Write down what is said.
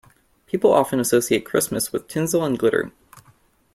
People often associate Christmas with tinsel and glitter.